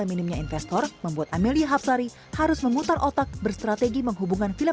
minimnya investor membuat amelia hapsari harus memutar otak berstrategi menghubungkan film